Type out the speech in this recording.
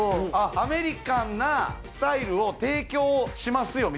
アメリカンなスタイルを提供しますよみたいなこと？